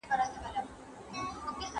چي په گرانه ئې رانيسې، په ارزانه ئې مه خرڅوه.